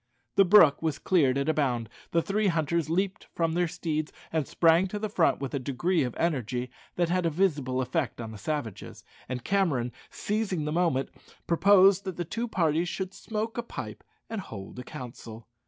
The brook was cleared at a bound; the three hunters leaped from their steeds and sprang to the front with a degree of energy that had a visible effect on the savages; and Cameron, seizing the moment, proposed that the two parties should smoke a pipe and hold a council.